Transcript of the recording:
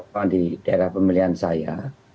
kawan kawan di daerah pemilihan saya